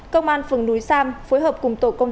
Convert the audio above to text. công an phường núi sam phối hợp cùng